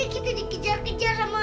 kita dikejar kejar sama